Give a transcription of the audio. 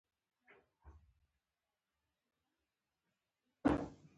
وژنه د ټولو ژړا ده